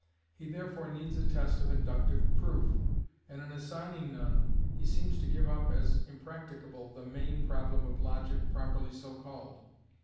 He therefore needs a test of inductive proof; and in assigning none, he seems to give up as impracticable the main problem of Logic properly so called.